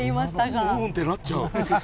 うーんってなっちゃう。